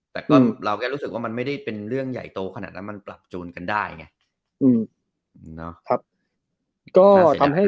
แต่ก็เราแค่รู้สึกว่ามันไม่ได้เป็นเรื่องใหญ่โตขนาดนั้นมันปรับจูนกันได้ไง